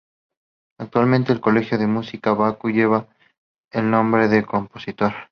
Actualmente, el Colegio de Música de Bakú lleva el nombre del compositor.